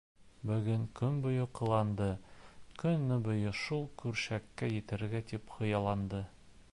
Бөгөн көн буйы ҡыланды, көнө буйы шул көршәккә етергә тип хыялланды.